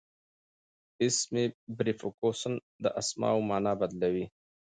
اسمي پریفکسونه د اسمو مانا بدلوي.